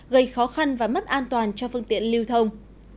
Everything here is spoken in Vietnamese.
gây khó khăn và mất an toàn cho phương tiện lưu thông